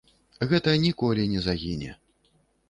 Гэта ніколі не загіне.